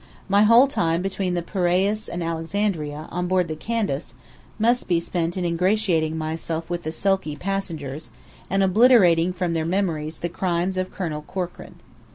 My whole time between the Piraeus and Alexandria, on board the Candace, must be spent ingratiating myself with the sulky passengers, and obliterating from their memories the crimes of Colonel Corkran.